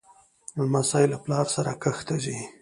لمسی له پلار سره کښت ته ځي.